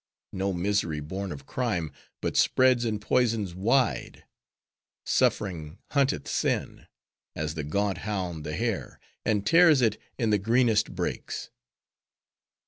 No misery born of crime, but spreads and poisons wide. Suffering hunteth sin, as the gaunt hound the hare, and tears it in the greenest brakes."